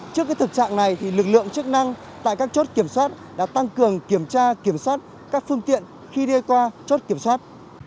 trước thực trạng này lực lượng chức năng tại các chốt kiểm soát đã tăng cường kiểm tra kiểm soát các phương tiện khi đi qua chốt kiểm soát